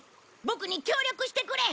ボクに協力してくれ！